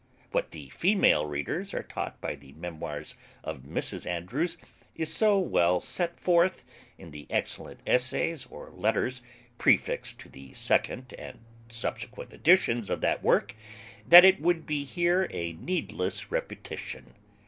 What the female readers are taught by the memoirs of Mrs Andrews is so well set forth in the excellent essays or letters prefixed to the second and subsequent editions of that work, that it would be here a needless repetition.